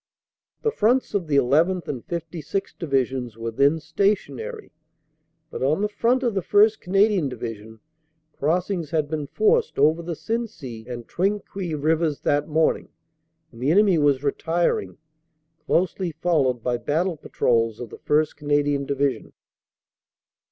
"The Fronts of the llth. and 56th. Divisions were then stationary, but on the Front of the 1st. Canadian Division crossings had been forced over the Sensee and Trinquis Rivers that morning, and the enemy was retiring, closely followed by battle patrols of the 1st. Canadian Division.